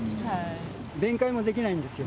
弁解もできないんですよ。